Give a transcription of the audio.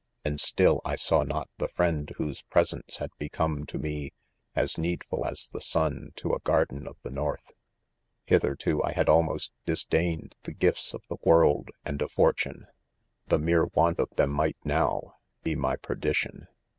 and still I saw not the friend whose' presence had become to* me, as needful as the sun to a garden of the north. s Hitherto, I had almost disdained the gifts of the world and of fortune \ the mere want of them might now, he my perdition.